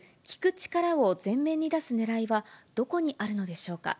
力を前面に出すねらいはどこにあるのでしょうか。